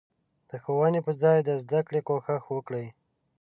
د ښوونې په ځای د زدکړې کوشش وکړي.